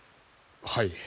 はい。